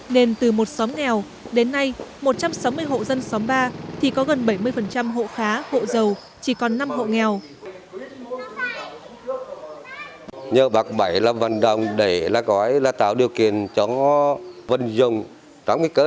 nên từ một xóm nghèo đến nay một trăm sáu mươi hộ dân xóm ba thì có gần bảy mươi hộ khá hộ giàu chỉ còn năm hộ nghèo